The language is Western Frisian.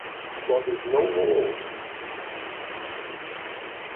Dat is no wol oars.